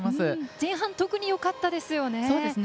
前半特によかったですよね。